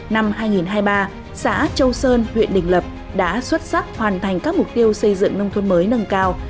năm hai nghìn hai mươi ba xã châu sơn huyện đình lập đã xuất sắc hoàn thành các mục tiêu xây dựng nông thôn mới nâng cao